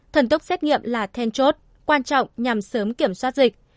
thần tốc xét nghiệm là then chốt quan trọng nhằm sớm kiểm soát dịch